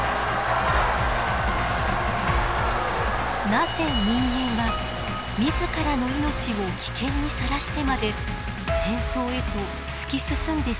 なぜ人間は自らの命を危険にさらしてまで戦争へと突き進んでしまうのか。